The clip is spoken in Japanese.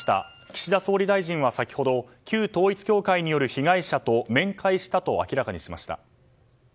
岸田総理大臣は先ほど旧統一教会による被害者と面会したと明らかにしました。